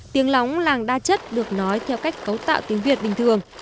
tiếng lóng làng đa chất được nói theo cách cấu tạo tiếng việt bình thường